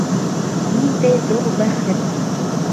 Ниндәй ҙур бәхет!